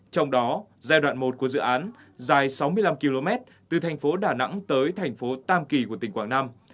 trong đó giai đoạn một của dự án dài sáu mươi năm km từ thành phố đà nẵng tới thành phố tam kỳ của tỉnh quảng nam